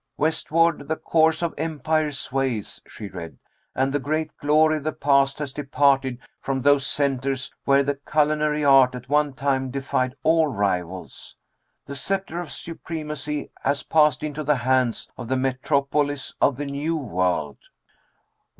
"'Westward the course of Empire sways,'" she read, "'and the great glory of the past has departed from those centers where the culinary art at one time defied all rivals. The scepter of supremacy has passed into the hands of the metropolis of the New World.'"